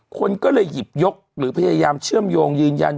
คนก็เลยหยิบยกหรือพยายามเชื่อมโยงยืนยัน